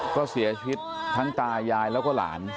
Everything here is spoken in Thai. ก็เสียชีวิตทั้งตายายแล้วก็หลาน